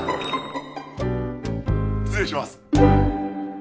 失礼します！